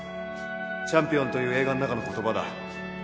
『チャンピオン』という映画の中の言葉だ